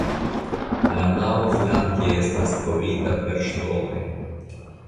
La navo flanke estas kovrita per ŝtonoj.